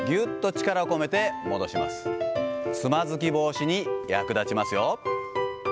つまずき防止に役立ちますよ。